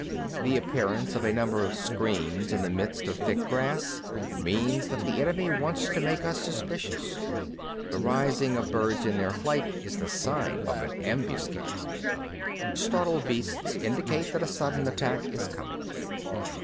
The appearance of a number of screens in the midst of thick grass means that the enemy wants to make us suspicious. 22. The rising of birds in their flight is the sign of an ambuscade. Startled beasts indicate that a sudden attack is coming.